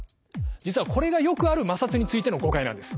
実はこれがよくある摩擦についての誤解なんです。